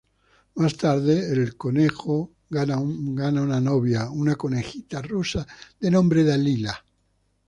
Más tarde el conejo gana una novia, una conejita rosa de nombre Dalila.